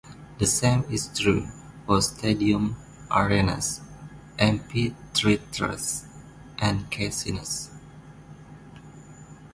The same is true for stadiums, arenas, amphitheatres, and casinos.